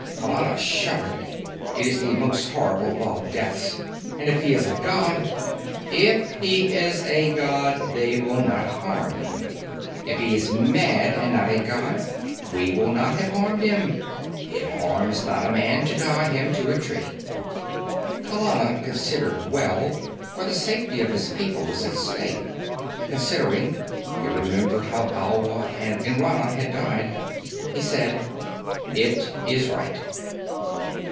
Kallana shuddered. "It is the most horrible of all deaths. And if he is a god " "If he is a god, they will not harm him. If he is mad and not a god, we will not have harmed him. It harms not a man to tie him to a tree." Kallana considered well, for the safety of his people was at stake. Considering, he remembered how Alwa and Nrana had died. He said, "It is right."